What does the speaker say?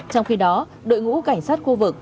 trong khi đó đội ngũ cảnh sát khu vực